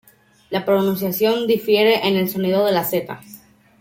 La pronunciación difiere en el sonido de la "z".